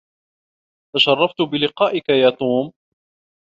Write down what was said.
تشرّفت بلقائك يا توم.